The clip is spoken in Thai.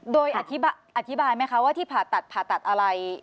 โดยอธิบายไหมคะว่าที่ผ่าตัดผ่าตัดอะไร